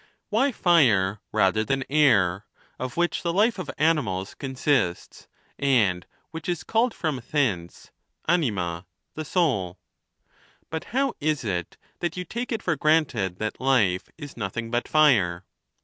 Why fire rather than air, of which the life of animals consists, and which is called from thence anima^ the soul ? But how is it that you take it for granted that life is nothing but fire